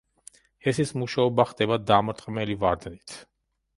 ჰესის მუშაობა ხდება დამრტყმელი ვარდნით.